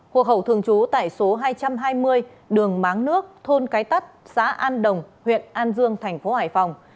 hộ khẩu thường trú tại số hai trăm hai mươi đường máng nước thôn cái tắt xã an đồng huyện an dương thành phố hải phòng